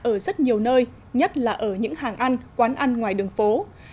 ở rất nhiều nơi nhất là ở những hàng ăn quán ăn ngoài đường phố